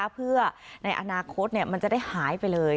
เพื่อในอนาคตมันจะได้หายไปเลย